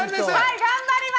頑張ります！